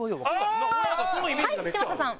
はい嶋佐さん。